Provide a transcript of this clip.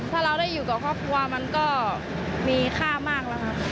ถ้าเราได้อยู่กับครอบครัวมันก็มีค่ามากแล้วค่ะ